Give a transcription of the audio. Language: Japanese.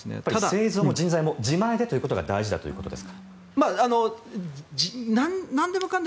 製造も人材も自前でということが大事だということです。